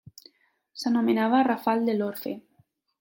S'anomenava rafal de l'Orfe.